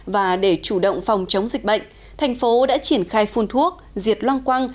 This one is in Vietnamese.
và để chủ động phòng chống dịch bệnh thành phố đã triển khai phun thuốc diệt loang quang